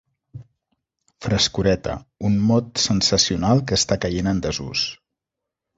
Frescoreta, un mot sensacional que està caient en desús.